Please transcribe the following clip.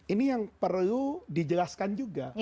ini yang perlu dijelaskan juga